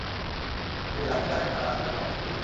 Please, আপনি জানেন না আজ রাত আমার সাথে কী হয়েছে?